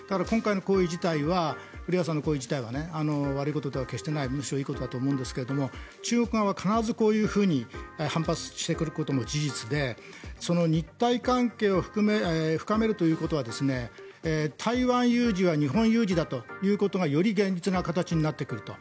こういう行為自体は古屋さんの行為自体は悪いことではないむしろいいことだと思いますが中国側は必ずこういうふうに反発してくることも事実で日台関係を深めるということは台湾有事は日本有事だということがより現実な形になってくると。